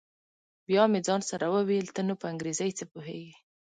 بيا مې ځان سره وويل ته نو په انګريزۍ څه پوهېږې.